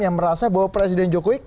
yang merasa bahwa presiden jokowi